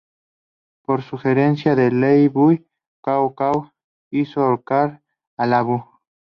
Por sugerencia de Liu Bei, Cao Cao hizo ahorcar a Lu Bu.